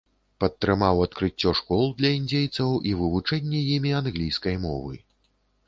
Падтрымаў адкрыццё школ для індзейцаў і вывучэнне імі англійскай мовы.